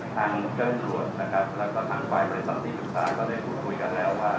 ทั้งเจ้นรวดและทั้งฝ่ายบริษัทที่ปรึกษาก็ได้พูดคุยกันแล้วว่า